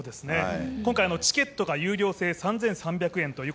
今回チケットが有料制３３００円です。